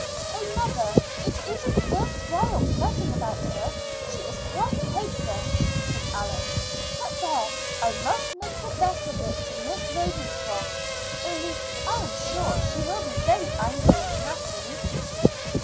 "Oh, mother, it isn't worth while fretting about her. She is quite hopeless," said Alice. "But there! I must make the best of it to Miss Ravenscroft, only I am sure she will be very angry with Kathleen."